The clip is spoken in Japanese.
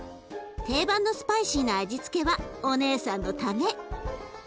定番のスパイシーな味付けはお姉さんのため。